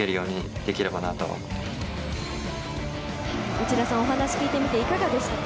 内田さん、お話を聞いてみていかがですか。